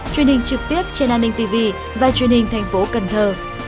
truyền hình trực tiếp trên an ninh tv và truyền hình thành phố cần thơ